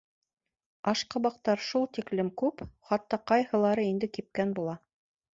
Ашҡабаҡтар шул тиклем күп, хатта ҡайһылары инде кипкән була.